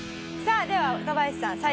さあでは若林さん